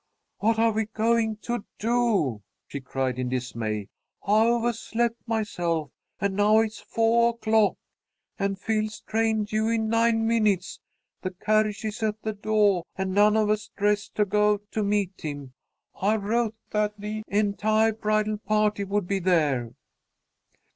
"What are we going to do?" she cried in dismay. "I ovahslept myself, and now it's foah o'clock, and Phil's train due in nine minutes. The carriage is at the doah and none of us dressed to go to meet him. I wrote that the entiah bridal party would be there."